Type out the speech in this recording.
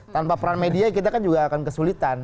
tanpa peran media kita kan juga akan kesulitan